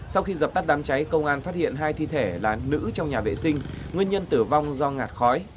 sau khi dập tắt đám cháy công an phát hiện hai thi thể là nữ trong nhà vệ sinh nguyên nhân tử vong do ngạt khói